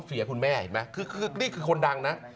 เสียคุณแม่เห็นไหมคือนี่คือคนดังนะ